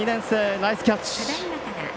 ナイスキャッチ。